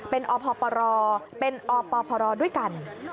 เป็นอพปรเป็นอปพรด้วยกัน